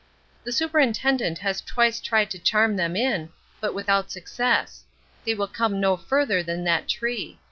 The superintendent has twice tried to charm them in, but without success they will come no further than that tree.